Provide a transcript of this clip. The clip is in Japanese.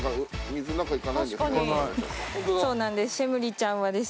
そうなんです